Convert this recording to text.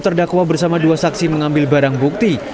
terdakwa bersama dua saksi mengambil barang bukti